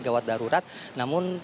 gawat darurat namun